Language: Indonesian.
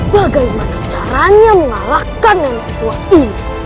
bagaimana caranya mengalahkan nenek tua ini